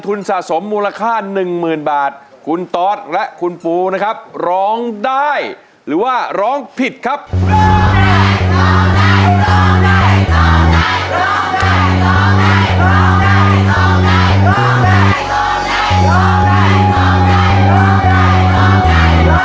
ร่องใจร่องใจร่องใจร่องใจร่องใจ